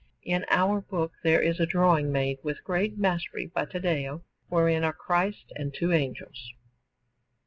In our book there is a drawing made with great mastery by Taddeo, wherein are Christ and two angels.